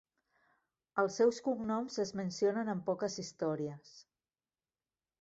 Els seus cognoms es mencionen en poques històries.